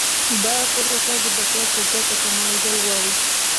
دا پروسه د بشر په ګټه تمامیدل غواړي.